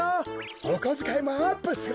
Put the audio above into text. おこづかいもアップするかもな。